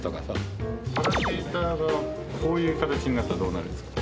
こういう形になったらどうなるんですか？